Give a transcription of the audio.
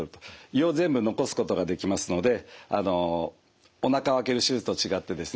胃を全部残すことができますのであのおなかを開ける手術と違ってですね